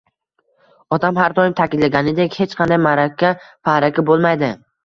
Otam har doim ta`kidlaganidek hech qanday ma`raka-paraka bo`lmaydi